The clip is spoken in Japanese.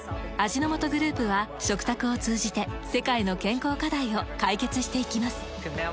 味の素グループは食卓を通じて世界の健康課題を解決していきます。